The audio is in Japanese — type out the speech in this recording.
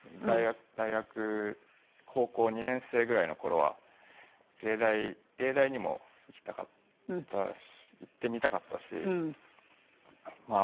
大学高校２年生ぐらいの頃は藝大にも行きたかった行ってみたかったしまあ